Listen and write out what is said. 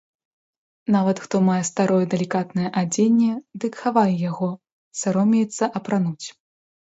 Нават хто мае старое далікатнае адзенне, дык хавае яго, саромеецца апрануць.